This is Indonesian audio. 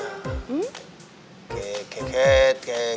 neng ketisuketek teh